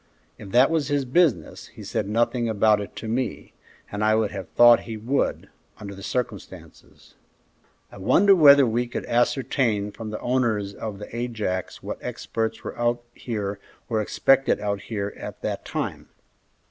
"If that was his business, he said nothing about it to me, and I would have thought he would, under the circumstances." "I wonder whether we could ascertain from the owners of the Ajax what experts were out here or expected out here at that time?"